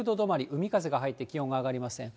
海風が入って、気温が上がりません。